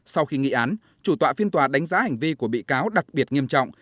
sau khi nghị án chủ tọa phiên tòa đánh giá hành vi của bị cáo đặc biệt nghiêm trọng